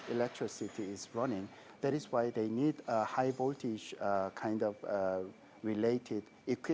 ya itu sangat penting bagaimana dengan baterai sendiri